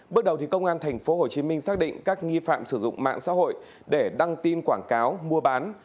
bước đầu công an tp hcm xác định các nghi phạm sử dụng mạng xã hội để đăng tin quảng cáo mua bán